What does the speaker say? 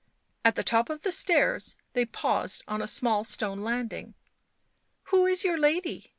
At the top of the stairs they paused on a small stone landing. " Who is your lady?"